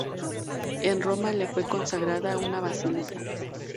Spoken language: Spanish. En Roma le fue consagrada una basílica.